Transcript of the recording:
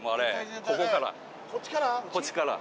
こっちから？